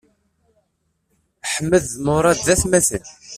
Aḥmed d Muṛad d atmaten.